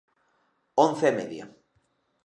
Once e media.